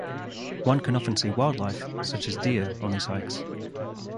One can often see wildlife, such as deer on these hikes.